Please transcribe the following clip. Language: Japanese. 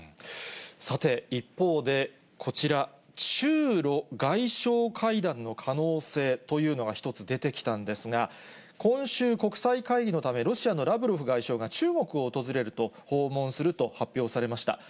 さて、一方で、こちら、中ロ外相会談の可能性というのが、一つ出てきたんですが、今週、国際会議のため、ロシアのラブロフ外相が中国を訪れると、訪問すると発表されました。